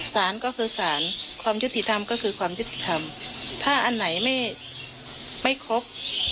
สารก็คือสารความยุติธรรมก็คือความยุติธรรมถ้าอันไหนไม่ครบ